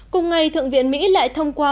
cùng ngày thượng viện mỹ lại thông qua